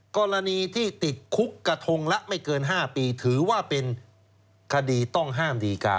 กรณีที่ติดคุกกระทงละไม่เกิน๕ปีถือว่าเป็นคดีต้องห้ามดีการ